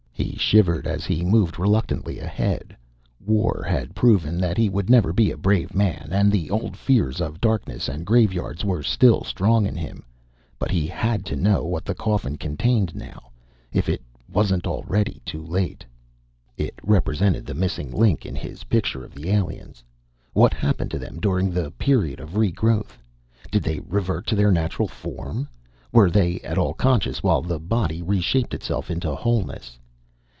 He shivered as he moved reluctantly ahead. War had proved that he would never be a brave man and the old fears of darkness and graveyards were still strong in him. But he had to know what the coffin contained now, if it wasn't already too late. It represented the missing link in his picture of the aliens. What happened to them during the period of regrowth? Did they revert to their natural form? Were they at all conscious while the body reshaped itself into wholeness?